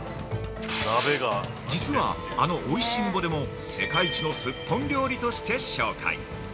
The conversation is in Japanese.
実は、あの「美味しんぼ」でも世界一のスッポン料理として紹介。